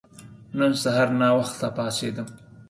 نن سهار ناوخته پاڅیدم.